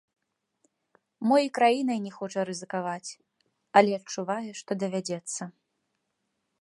Мо і краінай не хоча рызыкаваць, але адчувае, што давядзецца.